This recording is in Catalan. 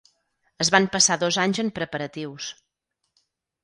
Es van passar dos anys en preparatius.